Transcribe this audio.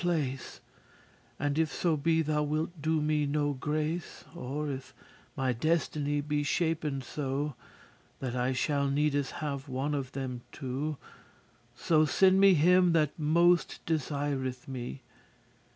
*quenched And if so be thou wilt do me no grace, Or if my destiny be shapen so That I shall needes have one of them two, So send me him that most desireth me.